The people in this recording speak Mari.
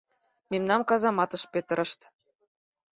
Мемнам казаматыш петырышт.